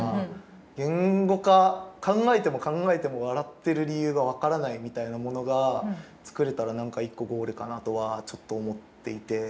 言語化考えても考えても笑ってる理由が分からないみたいなものが作れたら何か一個ゴールかなとはちょっと思っていて。